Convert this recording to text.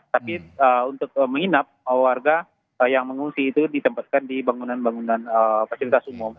tapi untuk menginap warga yang mengungsi itu ditempatkan di bangunan bangunan fasilitas umum